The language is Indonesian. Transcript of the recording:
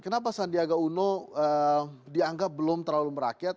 kenapa sandiaga uno dianggap belum terlalu merakyat